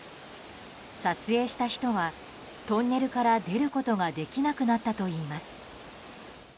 撮影した人はトンネルから出ることができなくなったといいます。